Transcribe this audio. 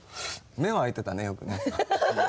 目は開いてたねよくね。